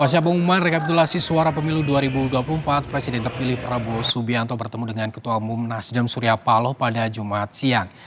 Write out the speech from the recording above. pasca pengumuman rekapitulasi suara pemilu dua ribu dua puluh empat presiden terpilih prabowo subianto bertemu dengan ketua umum nasdem surya paloh pada jumat siang